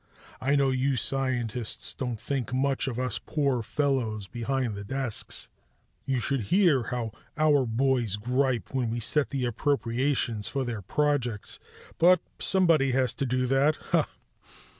I know you scientists don't think much of us poor fellows behind the desks, you should hear how our boys gripe when we set the appropriations for their projects, but somebody has to do that, ha."